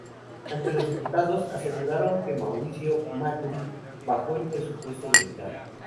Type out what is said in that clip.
Ante los diputados, aseguraron que Mauricio Macri bajó el presupuesto militar.